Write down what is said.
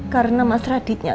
karena mas raditnya